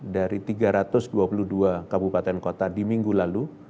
dari tiga ratus dua puluh dua kabupaten kota di minggu lalu